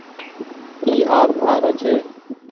اي آپ آرو ڇي